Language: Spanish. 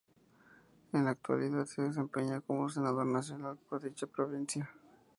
En la actualidad se desempeña como Senador Nacional por dicha provincia.